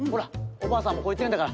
おばあさんもこう言ってんだから。